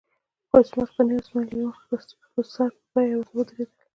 خو عصمت قانع او اسماعیل یون په سر په بیه ورته ودرېدل.